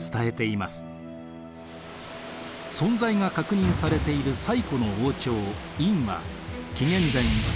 存在が確認されている最古の王朝殷は紀元前